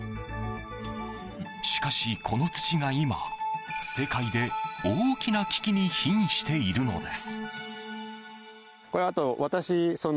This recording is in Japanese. しかしこの土が今、世界で大きな危機に瀕しているのです。